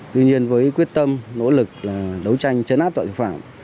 tuy nhiên với quyết tâm nỗ lực đấu tranh chấn áp tội phạm